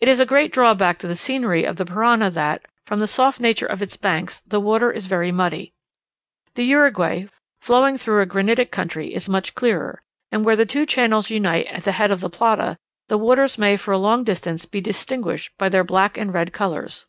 It is a great drawback to the scenery of the Parana, that, from the soft nature of its banks, the water is very muddy. The Uruguay, flowing through a granitic country, is much clearer; and where the two channels unite at the head of the Plata, the waters may for a long distance be distinguished by their black and red colours.